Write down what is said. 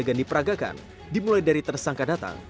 dua puluh lima adegan dipragakan dimulai dari tersangka datang